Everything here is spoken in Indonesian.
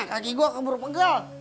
kaki gua kebur pegel